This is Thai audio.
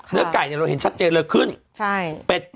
เนื้อไก่เนี่ยเราเห็นชัดเจนเลยขึ้นใช่